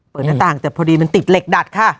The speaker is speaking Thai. หน้าต่างแต่พอดีมันติดเหล็กดัดค่ะ